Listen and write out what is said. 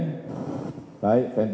baik ventilator baik perangkat